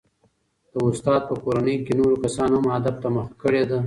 د استاد په کورنۍ کې نورو کسانو هم ادب ته مخه کړې ده.